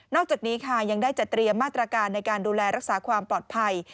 อกจากนี้ค่ะยังได้จะเตรียมมาตรการในการดูแลรักษาความปลอดภัย